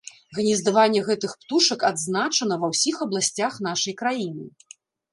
Гнездаванне гэтых птушак адзначана ва ўсіх абласцях нашай краіны.